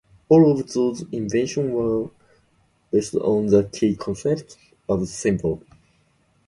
All of those inventions were based on the key concept of the symbol.